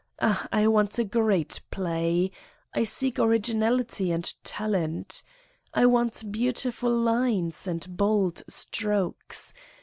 Ah, I want a great play. I seek originality and talent. I want beautiful lines and bold strokes.